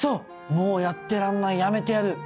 もうやってらんないやめてやる。